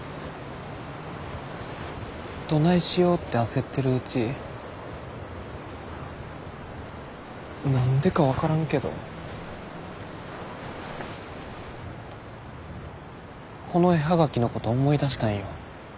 どないしようて焦ってるうち何でか分からんけどこの絵葉書のこと思い出したんよ。